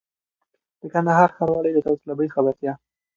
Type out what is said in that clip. د کندهار ښاروالۍ د داوطلبۍ خبرتیا!